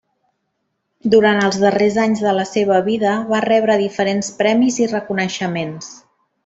Durant els darrers anys de la seva vida va rebre diferents premis i reconeixements.